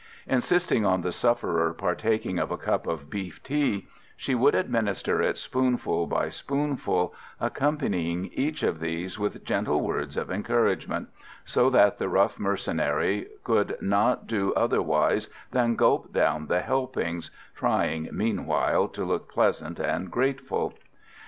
Insisting on the sufferer partaking of a cup of beef tea, she would administer it spoonful by spoonful, accompanying each of these with gentle words of encouragement, so that the rough mercenary could not do otherwise than gulp down the helpings trying, meanwhile, to look pleasant and grateful.